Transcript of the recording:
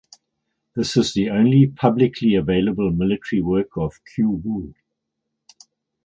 This is the only publicly available military work of Qu Wu.